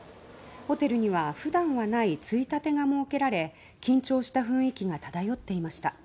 ホテルには普段はないついたてが設けられ緊張した雰囲気が漂っていました。